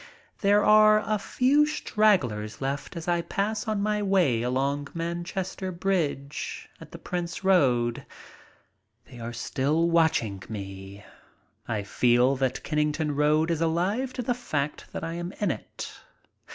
There are a few stragglers left as I pass on my way along Manchester Bridge at the Prince Road. They are still watching me. I feel that Kennington Road is alive to the fact that I am in it.